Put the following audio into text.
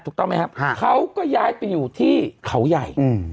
ถูกต้องไหมครับเขาก็ย้ายไปอยู่ที่เขาใหญ่